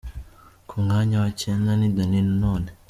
Ku mwanya wa cyenda ni Danny Nanone.